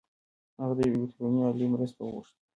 هغه د يوې الکټرونيکي الې مرسته وغوښته.